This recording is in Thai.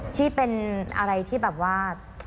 ที่เป็นอะไรที่แบบว่า